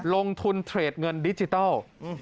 ลงทุนเทรดเงินดิจิทัล